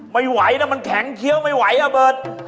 ไม่ไหวนะมันแข็งเคี้ยวไม่ไหวอ่ะเบิร์ต